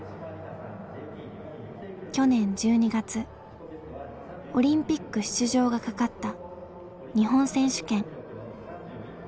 去年１２月オリンピック出場がかかった日本選手権。